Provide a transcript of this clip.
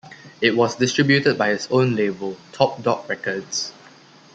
It was distributed by his own label, Top Dog Records.